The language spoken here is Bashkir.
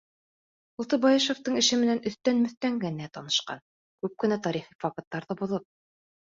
Ул Т.Байышевтың эше менән өҫтән-мөҫтән генә танышҡан, күп кенә тарихи факттарҙы боҙоп.